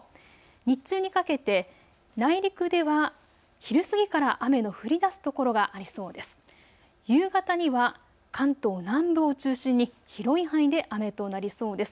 日中にかけて内陸では昼過ぎから雨の降りだす所がありそうです。